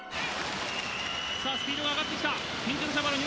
スピードが上がってきた。